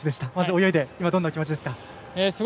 泳いで今、どんな気持ちですか。